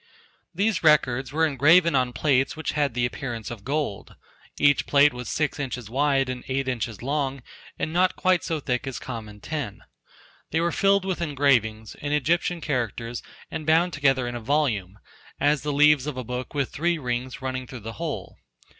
These records were engraven on plates which had the appearance of gold, each plate was six inches wide and eight inches long and not quite so thick as common tin. They were filled with engravings, in Egyptian characters and bound together in a volume, as the leaves of a book with three rings running through the whole.